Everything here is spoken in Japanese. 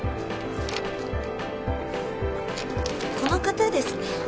この方ですね。